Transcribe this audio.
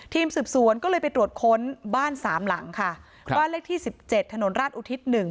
ทีมสืบสวนก็เลยไปตรวจค้นบ้านสามหลังค่ะครับบ้านเลขที่สิบเจ็ดถนนราชอุทิศหนึ่ง